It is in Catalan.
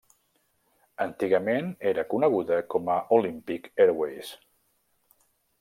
Antigament era coneguda com a Olympic Airways.